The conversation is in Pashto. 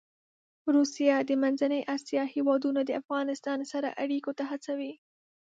روسیه د منځنۍ اسیا هېوادونه د افغانستان سره اړيکو ته هڅوي.